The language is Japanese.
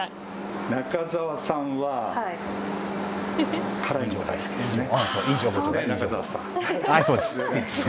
中澤さんは辛いのが大好きですね。